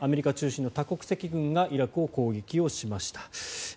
アメリカ中心の多国籍軍がイラクを攻撃しました。